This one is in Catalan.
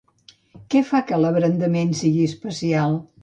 Què fa que L'Abrandament sigui especial?